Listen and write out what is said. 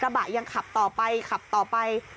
บะยังขับต่อไปขับต่อไป